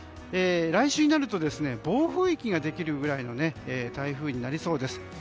来週になると暴風域ができるぐらいの台風になりそうです。